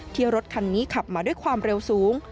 รถคันนี้ขับมาด้วยความเร็วสูง